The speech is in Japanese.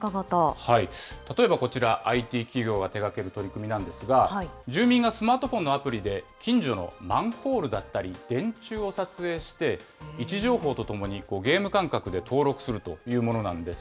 例えばこちら、ＩＴ企業が手がける取り組みなんですが、住民がスマートフォンのアプリで近所のマンホールだったり電柱を撮影して、位置情報とともにゲーム感覚で登録するというものなんです。